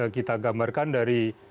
kita gambarkan dari